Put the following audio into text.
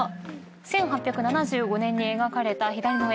１８７５年に描かれた左の絵。